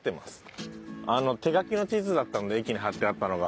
手描きの地図だったので駅に貼ってあったのが。